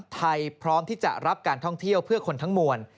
พร้อมที่จะรับการท่องเที่ยวเพื่อคนทั้งมวล